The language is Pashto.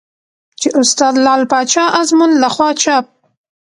چې استاد لعل پاچا ازمون له خوا چاپ